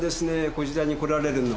こちらに来られるの。